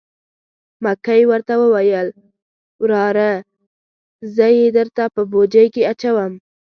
مکۍ ورته وویل: وراره زه یې درته په بوجۍ کې اچوم.